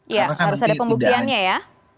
iya harus ada pembuktiannya ya